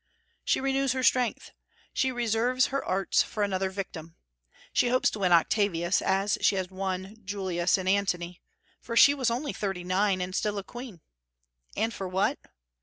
She renews her strength. She reserves her arts for another victim. She hopes to win Octavius as she had won Julius and Antony; for she was only thirty nine, and still a queen. And for what?